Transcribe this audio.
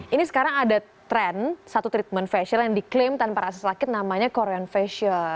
ini sekarang ada tren satu treatment facial yang diklaim tanpa rasa sakit namanya korean facial